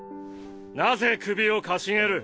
なぜ首をかしげる？